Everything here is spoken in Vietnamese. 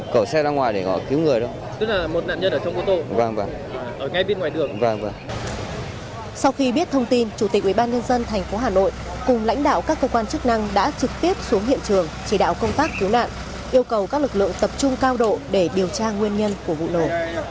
chủ tịch ubnd tp hà nội cùng lãnh đạo các cơ quan chức năng đã trực tiếp xuống hiện trường chỉ đạo công tác cứu nạn yêu cầu các lực lượng tập trung cao độ để điều tra nguyên nhân của vụ nổ